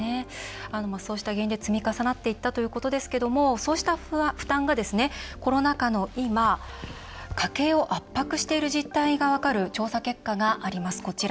そうした現状が積み重なっていったということですけどもそうした負担が、コロナ禍の今家計を圧迫している実態が分かる調査結果があります。